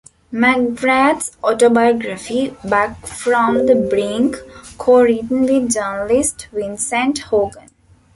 McGrath's autobiography, "Back from the Brink", co-written with journalist Vincent Hogan.